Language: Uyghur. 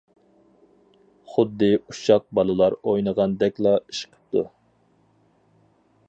خۇددى ئۇششاق بالىلار ئوينىغاندەكلا ئىش قىپتۇ.